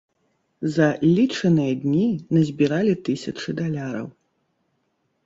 За лічаныя дні назбіралі тысячы даляраў.